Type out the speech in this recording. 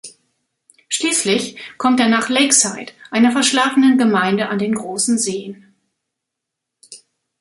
Schließlich kommt er nach "Lakeside", einer verschlafenen Gemeinde an den Großen Seen.